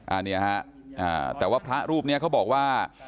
อันนี้ฮะอ่าแต่ว่าพระรูปเนี้ยเขาบอกว่า